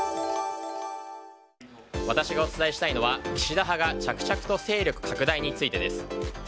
私がお伝えしたいのは岸田派が着々と勢力拡大についてです。